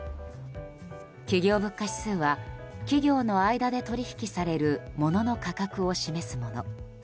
企業物価指数は企業の間で取引される物の価格を示すもの。